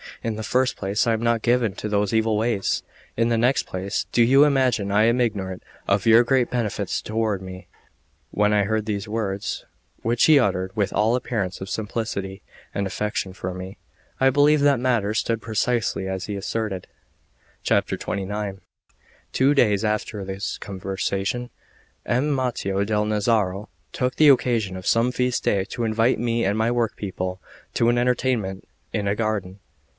In the first place, I am not given to those evil ways; in the next place, do you imagine I am ignorant of your great benefits toward me?" When I heard these words, which he uttered with all appearance of simplicity and affection for me, I believed that matters stood precisely as he asserted. XXIX TWO days after this conversation, M. Mattio del Nazaro took the occasion of some feast day to invite me and my workpeople to an entertainment in a garden.